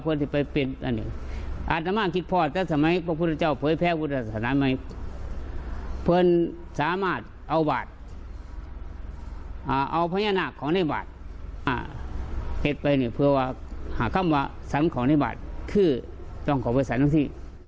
เอาเฉยตัวเป็นวัฒนศาสนาที่